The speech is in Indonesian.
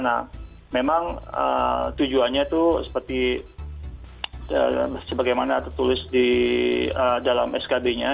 nah memang tujuannya itu seperti sebagaimana tertulis di dalam skb nya